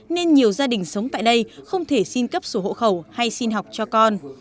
nên nhiều gia đình sống tại đây không thể xin cấp sổ hộ khẩu hay xin học cho con